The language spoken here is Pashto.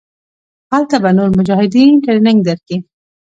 هلته به نور مجاهدين ټرېننگ درکي.